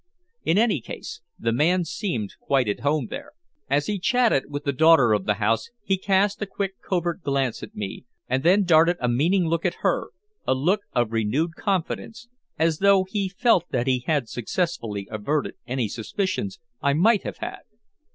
In any case, the man seemed quite at home there. As he chatted with the daughter of the house, he cast a quick, covert glance at me, and then darted a meaning look at her a look of renewed confidence, as though he felt that he had successfully averted any suspicions I might have held.